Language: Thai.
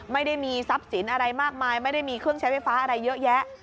ไม่ได้มีทรัพย์สินอะไรมากมายไม่ได้มีเครื่องใช้ไฟฟ้าอะไรเยอะแยะ